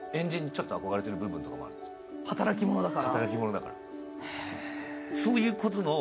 働き者だから。